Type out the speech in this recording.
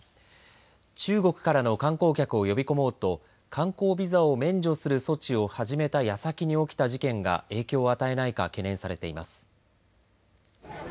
中国からの観光客を呼び込もうと観光ビザを免除する措置を始めたやさきに起きた事件が影響を与えないか懸念されています。